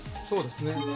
そうですね。